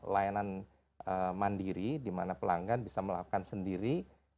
layanan mandiri di mana pelanggan bisa melakukan sendiri